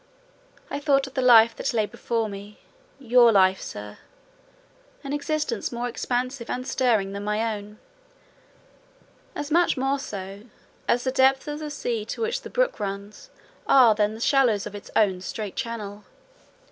I thought of the life that lay before me—your life, sir—an existence more expansive and stirring than my own: as much more so as the depths of the sea to which the brook runs are than the shallows of its own strait channel.